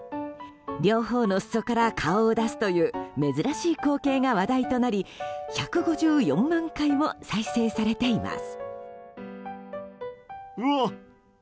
両方の裾から顔を出すという珍しい光景が話題となり１５４万回も再生されています。